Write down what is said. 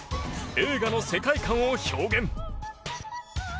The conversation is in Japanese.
映画の世界観を表現。